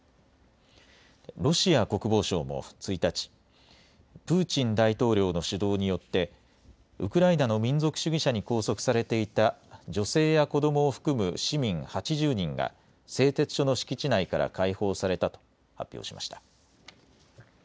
ロシア国防省も１日、プーチン大統領の主導によってウクライナの民族主義者に拘束されていた女性や子どもを含む市民８０人が製鉄所の敷地内から解放されたと発表しました。